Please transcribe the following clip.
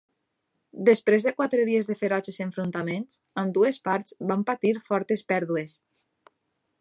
Després de quatre dies de ferotges enfrontaments, ambdues parts van patir fortes pèrdues.